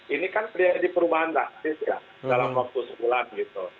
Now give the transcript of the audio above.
ini kan terjadi perubahan drastis ya dalam waktu sebulan gitu